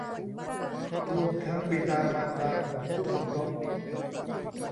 รวมทั้งบิดามารดาของคู่สมรส